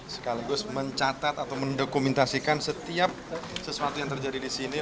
sekaligus mencatat atau mendokumentasikan setiap sesuatu yang terjadi di sini